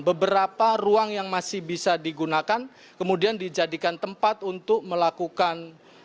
beberapa ruang yang masih bisa digunakan kemudian dijadikan tempat untuk melakukan